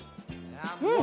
うん。